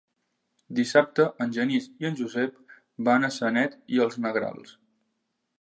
Dissabte en Genís i en Josep van a Sanet i els Negrals.